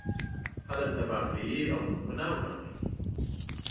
خلک تباه کوي او ملکونه ورانوي.